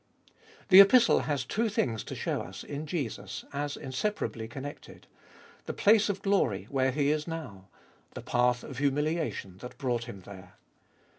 3. The Epistle has two things to show us in Jesus, as inseparably connected : the place of glory where He is now ; the path of humiliation that brought Him there.